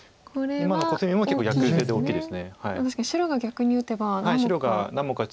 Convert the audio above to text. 確かに白が逆に打てば何目か。